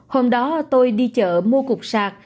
hôm đó tôi đi chợ mua cục sạc